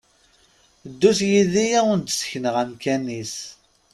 Ddut yid-i ad wen-d-sekneɣ amkan-is!